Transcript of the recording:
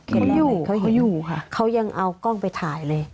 เขาอยู่ค่ะเขายังเอากล้องไปถ่ายเลย